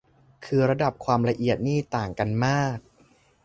คือระดับความละเอียดนี่ต่างกันมาก